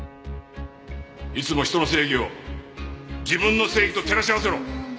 いつも人の正義を自分の正義と照らし合わせろ！